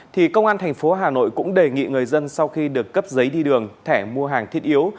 thì công an thành phố hà nội cũng đề nghị người dân sau khi được cấp giấy đi đường thẻ mua hàng thiết yếu